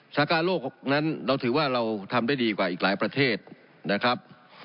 ชากาโลกนั้นเราถือว่าเราทำได้ดีกว่าอีกหลายประเทศนะครับ